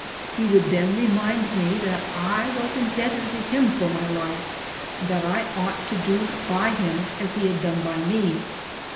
He would then remind me that I was in debted to him for my life, and that I onght to do by him, as he had done by me.